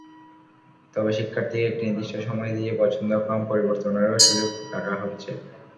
তবে শিক্ষার্থীকে একটি নির্দিষ্ট সময় দিয়ে পছন্দক্রম পরিবর্তনেরও সুযোগ রাখা হচ্ছে।